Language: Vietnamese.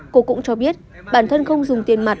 cô cũng cho biết bản thân không dùng tiền mặt